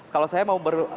kalau saya mau berkata